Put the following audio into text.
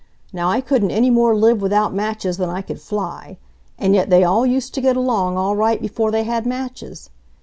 Now I couldn't any more live without matches than I could fly! And yet they all used to get along all right before they had matches.